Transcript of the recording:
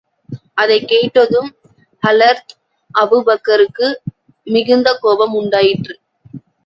அதைக் கேட்டதும் ஹலரத் அபூபக்கருக்கு மிகுந்த கோபம் உண்டாயிற்று.